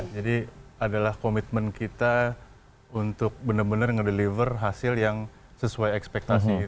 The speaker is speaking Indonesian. jadi adalah komitmen kita untuk benar benar ngedeliver hasil yang sesuai ekspektasi